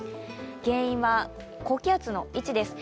原因は高気圧の位置です。